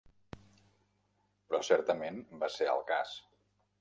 Però certament va ser el cas.